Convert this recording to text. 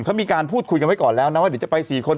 เขามีการพูดคุยกันไว้ก่อนแล้วนะว่าเดี๋ยวจะไป๔คน